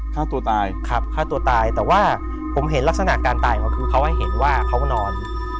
ฆ่าตัวตายขับฆ่าตัวตายแต่ว่าผมเห็นลักษณะการตายของเขาคือเขาให้เห็นว่าเขานอน